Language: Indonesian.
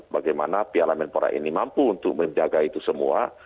bagaimana piala menpora ini mampu untuk menjaga itu semua